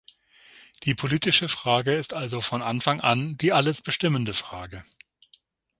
Die politische Frage ist also von Anfang an die alles bestimmende Frage.